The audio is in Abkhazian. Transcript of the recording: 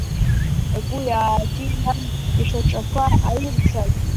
Игәы иааҭиҳәаан, ишьаҿақәа ааирццакит.